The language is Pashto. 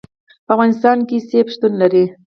په افغانستان کې منی شتون لري.